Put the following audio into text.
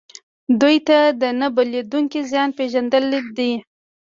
دوی ته د نه بدلیدونکي زیان پېژندل دي.